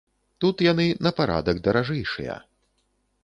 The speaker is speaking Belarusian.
Тут яны на парадак даражэйшыя.